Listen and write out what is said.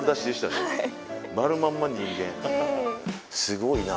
すごいな。